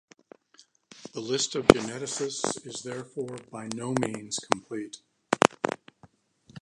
This list of geneticists is therefore by no means complete.